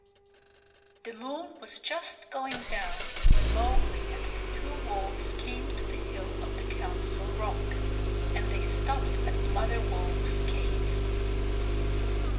The moon was just going down when Mowgli and the two wolves came to the hill of the Council Rock, and they stopped at Mother Wolf's cave.